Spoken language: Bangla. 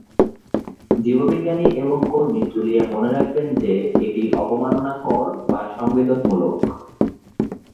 জীববিজ্ঞানী এবং কর্মী জুলিয়া মনে রাখবেন যে এটি "অবমাননাকর বা সংবেদনমূলক।"